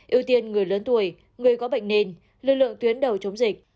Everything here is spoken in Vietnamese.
ưu tiên người lớn tuổi người có bệnh nền lượng tuyến đầu chống dịch